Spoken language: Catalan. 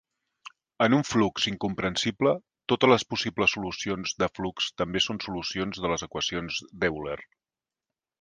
En un flux incomprensible, totes les possibles solucions de flux també són solucions de les equacions d'Euler.